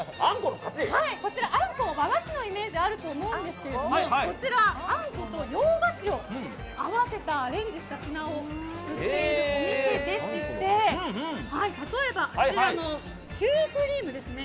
こちら、あんこは和菓子のイメージがあると思うんですがあんこと洋菓子を合わせてアレンジした品を売っているお店でして例えば、あちらのシュークリームですね。